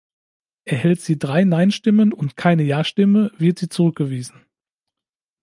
Erhält sie drei "Nein"-Stimmen und keine "Ja"-Stimme, wird sie zurückgewiesen.